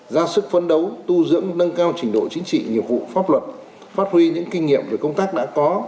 ra sức phấn đấu tu dưỡng nâng cao trình độ chính trị nhiệm vụ pháp luật phát huy những kinh nghiệm về công tác đã có